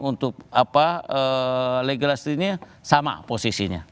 untuk apa legalisasi ini sama posisinya